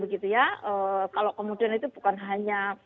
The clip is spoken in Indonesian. kalau kemudian itu bukan hanya